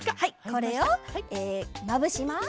これをまぶします。